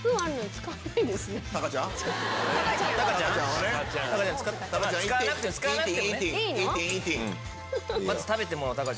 使わなくても使わなくてもね。